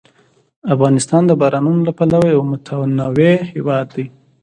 افغانستان د بارانونو له پلوه یو متنوع هېواد دی.